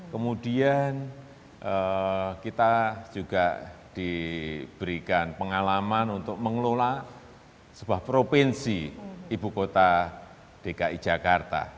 kemudian kita juga diberikan pengalaman untuk mengelola sebuah provinsi ibu kota dki jakarta